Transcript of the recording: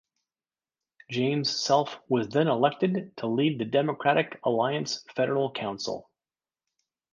James Selfe was then elected to lead the Democratic Alliance Federal Council.